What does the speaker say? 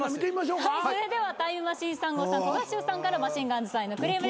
それではタイムマシーン３号さん古賀シュウさんからマシンガンズさんへのクレームですこちら。